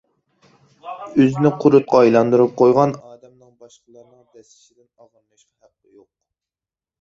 ئۆزىنى قۇرتقا ئايلاندۇرۇپ قويغان ئادەمنىڭ باشقىلارنىڭ دەسسىشىدىن ئاغرىنىشقا ھەققى يوق.